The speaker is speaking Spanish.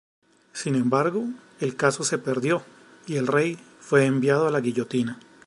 Sin embargo, el caso se perdió, y el rey fue enviado a la guillotina.